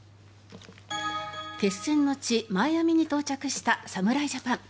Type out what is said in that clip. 決戦の地マイアミに到着した侍ジャパン。